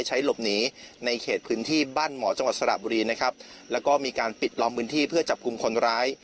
ใช้หลบหนีในเขตพื้นที่บ้านหมอจังหวัดสระบุรีนะครับแล้วก็มีการปิดล้อมพื้นที่เพื่อจับกลุ่มคนร้าย